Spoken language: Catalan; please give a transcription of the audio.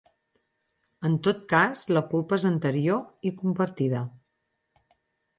En tot cas la culpa és anterior i compartida.